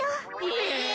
え。